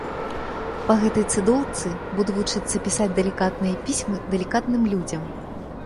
Па гэтай цыдулцы буду вучыцца пісаць далікатныя пісьмы далікатным людзям.